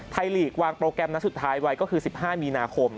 ลีกวางโปรแกรมนัดสุดท้ายไว้ก็คือ๑๕มีนาคม